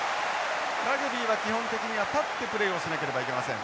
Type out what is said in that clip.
ラグビーは基本的には立ってプレーをしなければいけません。